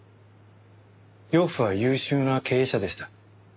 養父は優秀な経営者でした。